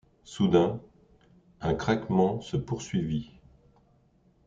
Soudain, un craquement se produisit.